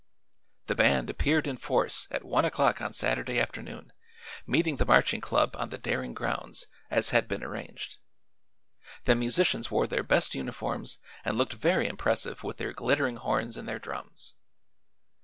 The band appeared in force at one o'clock on Saturday afternoon, meeting the Marching Club on the Daring grounds, as had been arranged. The musicians wore their best uniforms and looked very impressive with their glittering horns and their drums.